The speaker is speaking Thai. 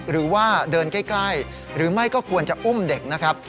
หรือว่าเดินใกล้หรือไม่ก็ควรจะอุ้มเด็กนะครับ